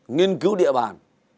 nghiên cứu địa bàn